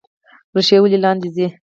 ریښې ولې لاندې ځي؟